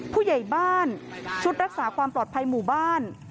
ผู้ใหญ่บ้านชุดรักษาความปลอดภัยหมู่บ้าน